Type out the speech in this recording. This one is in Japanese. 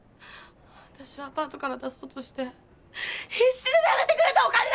わたしをアパートから出そうとして必死でためてくれたお金なんだよ！